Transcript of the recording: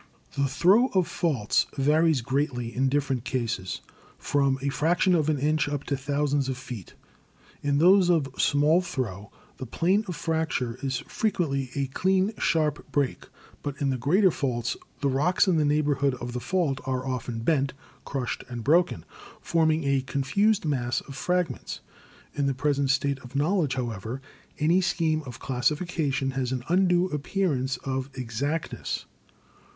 The throw of faults varies greatly in different cases, from a fraction of an inch up to thousands of feet. In those of small throw the plane of fracture is frequently a clean, sharp break; but in the greater faults the rocks Fig. 2.7 — Fault at a. — b. Showing Superposition of Unlike Strata. (Scott.) in the neighborhod of the fault are often bent, crushed and broken, forming a confused mass of fragments. In the present state of knowledge, however, any scheme of classification has an undue appearance of exactness.